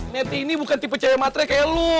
meti ini bukan tipe cahaya matre kayak lu